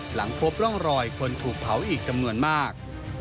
หลังพบร่องรอยคนถูกเผาอีกจำนวนมาก